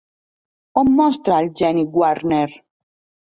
On mostra el geni Wagner?